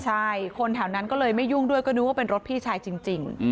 ใช่คนแถวนั้นก็เลยไม่ยุ่งด้วยก็นึกว่าเป็นรถพี่ชายจริง